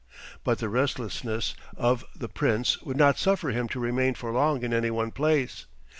But the restlessness of the Prince would not suffer him to remain for long in any one place.